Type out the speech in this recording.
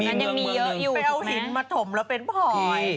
ไปเอาหินมาถมแล้วเป็นพลอย